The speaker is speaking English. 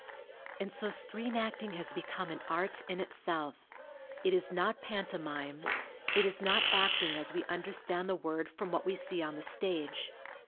And so screen acting has become an art in itself. It is not pantomime. It is not acting as we understand the word from what we see on the stage.